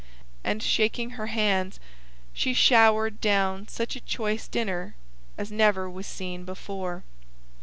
And shaking her hands she showered down such a choice dinner as never was seen before.